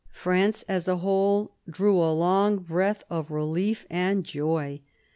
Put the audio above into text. France, as a whole, drew a long breath of relief and joy.